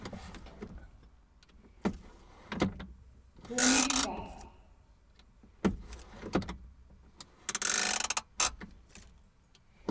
Puumitpa?